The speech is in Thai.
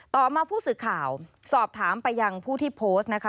ต่อมาผู้สื่อข่าวสอบถามไปยังผู้ที่โพสต์นะคะ